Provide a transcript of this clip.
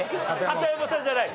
片山さんじゃない。